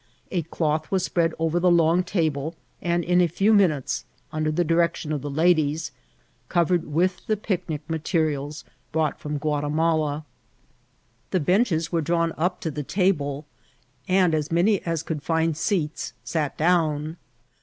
A cloth was spread over the long table, and in a few minutes, under the direction of the ladies, covered with the pic nic materials brought from Quatimala* 256 iNciDXKTt or teaybl. The benches were drawn up to the tmUe, and as many as could find seats sat down.